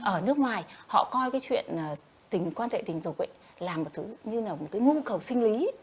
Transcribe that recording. ở nước ngoài họ coi cái chuyện quan tệ tình dục ấy là một thứ như là một cái ngu cầu sinh lý